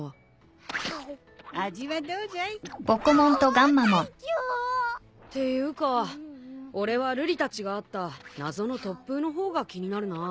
おお最強！っていうか俺は瑠璃たちが遭った謎の突風の方が気になるなぁ。